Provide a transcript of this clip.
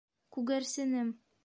Күгәрсенем!